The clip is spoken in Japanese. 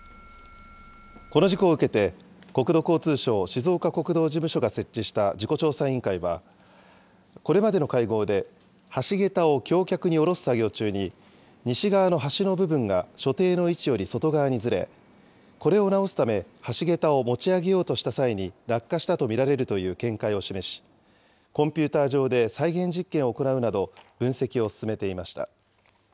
この事故を受けて、国土交通省静岡国道事務所が設置した事故調査委員会は、これまでの会合で、橋桁を橋脚に下ろす作業中に西側の端の部分が所定の位置より外側にずれ、これを直すため橋桁を持ち上げようとした際に、落下したと見られるという見解を示し、コンピューター上で再現実験を行うなど、分析を進めていました。